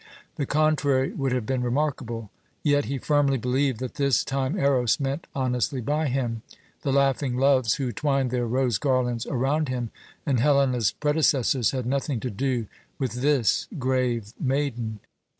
The contrary would have been remarkable. Yet he firmly believed that this time Eros meant honestly by him. The laughing loves who twined their rose garlands around him and Helena's predecessors had nothing to do with this grave maiden.